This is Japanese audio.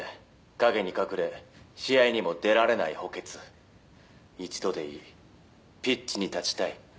「影に隠れ試合にも出られない補欠」「一度でいいピッチに立ちたい」